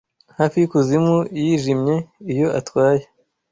hafi yikuzimu yijimye iyo atwaye: